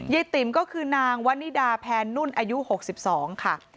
ติ๋มก็คือนางวันนิดาแพนนุ่นอายุ๖๒ค่ะ